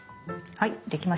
はい。